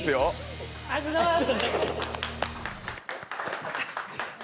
ホントにありがとうございます。